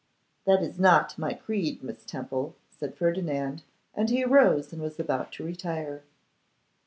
'That is not my creed, Miss Temple,' said Ferdinand, and he rose and was about to retire.